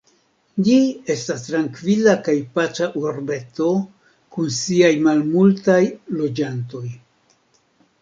Ĝi estas trankvila kaj paca urbeto kun siaj malmultaj loĝantoj.